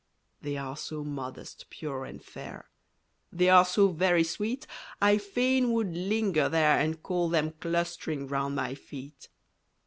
They are so modest, pure and fair; They are so very sweet, I fain would linger there and call Them clustering round my feet.